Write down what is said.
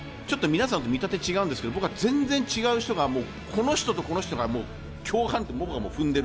皆さんと見立てが違うんですけど、僕は全然違う人、この人とこの人が共犯って僕はもう踏んでる。